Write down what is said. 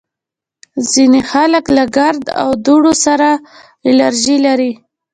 ځینې خلک له ګرد او دوړو سره الرژي لري